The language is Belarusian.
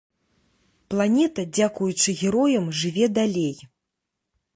Планета дзякуючы героям жыве далей.